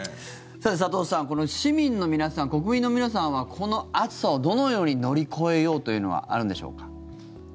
さて、佐藤さん市民の皆さん、国民の皆さんはこの暑さを、どのように乗り越えようというのはあるんでしょうか。